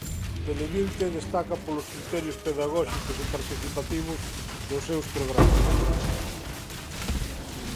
Televinte destaca polos criterios pedagóxicos e participativos dos seus programas.